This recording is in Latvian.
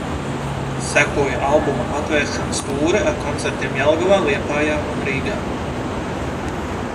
Sekoja albuma atvēršanas tūre ar koncertiem Jelgavā, Liepājā un Rīgā.